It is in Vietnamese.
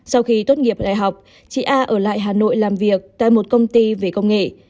sau khi tốt nghiệp đại học chị a ở lại hà nội làm việc tại một công ty về công nghệ